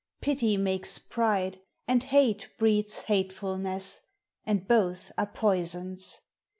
Pity makes pride, and hate breeds hatefulness, And both are poisons.